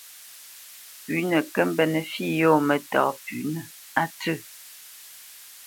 Pʉ̌nə kə́ mbénə̄ fǐ yɔ̂ mətá pʉ́nə a ntsə̂.